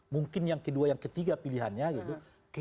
mungkin yang kedua yang ketiga pilihannya gitu